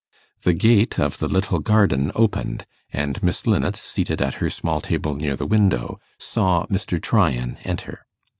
The gate of the little garden opened, and Miss Linnet, seated at her small table near the window, saw Mr. Tryan enter.